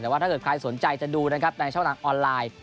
แต่ว่าถ้าเกิดใครสนใจจะดูนะครับในช่องทางออนไลน์